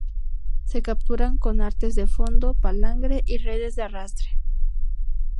Se capturan con artes de fondo, palangre y redes de arrastre.